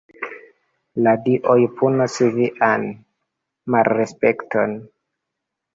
"La dioj punos vian malrespekton."